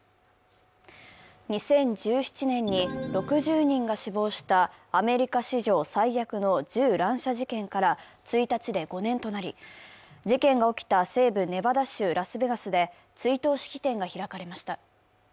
２０１７年に６０人が死亡したアメリカ史上最悪の銃乱射事件から１日で５年となり、事件が起きた西部ネバダ州ラスベガスで追悼式典が開かれました。